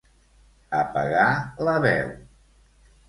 Apagar la veu.